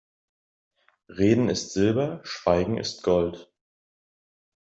Reden ist Silber, Schweigen ist Gold.